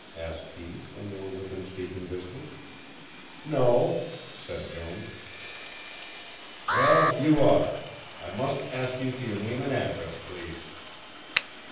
asked he, when they were within speaking distance. "No," said Jones. "Well, you are. I must ask you for your name and address, please."